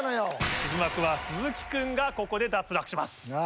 渋幕は鈴木君がここで脱落します。